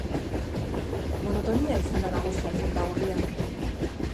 Monotonia izan da nagusi alfonbra gorria.